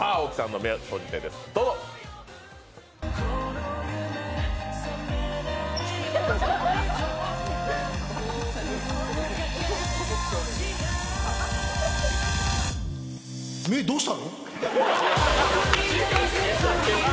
目どうしたの？